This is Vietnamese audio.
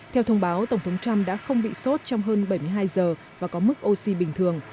theo thông báo tổng thống trump đã không bị sốt trong hơn bảy mươi hai giờ và có mức oxy bình thường